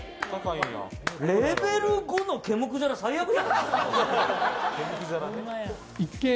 レベル５の毛むくじゃら、最悪じゃん！